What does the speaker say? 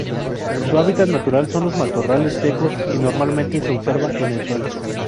Su hábitat natural son los matorrales secos, y normalmente se observa en el suelo.